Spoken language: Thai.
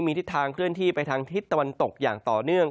มีทิศทางเคลื่อนที่ไปทางทิศตะวันตกอย่างต่อเนื่อง